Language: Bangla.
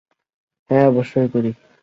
হ্যাঁ, অবশ্যই করি।